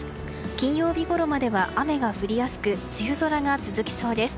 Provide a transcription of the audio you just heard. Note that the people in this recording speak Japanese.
金曜日ごろまでは雨が降りやすく梅雨空が続きそうです。